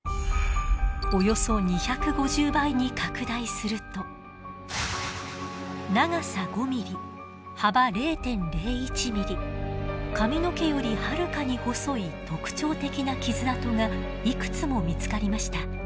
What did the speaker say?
およそ２５０倍に拡大すると長さ５ミリ幅０．０１ミリ髪の毛よりはるかに細い特徴的な傷痕がいくつも見つかりました。